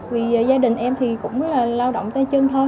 vì gia đình em thì cũng là lao động tay chân thôi